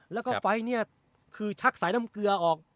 แล้วก็ไฟล์นี้คือชักสายน้ำเกลือออก